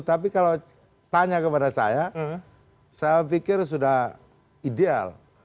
tapi kalau tanya kepada saya saya pikir sudah ideal